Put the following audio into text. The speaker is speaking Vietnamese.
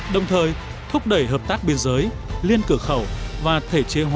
đồng thời thúc đẩy hợp tác biên giới liên cửa khẩu và thể chế hóa